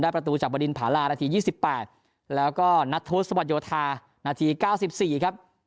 ได้ประตูจับบนดินผาลานาทียี่สิบแปดแล้วก็นัทธุสมัยโยธานาทีเก้าสิบสี่ครับ